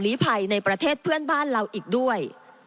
ภัยในประเทศเพื่อนบ้านเราอีกด้วย